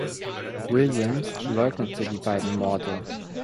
Williams leugnete die beiden Morde.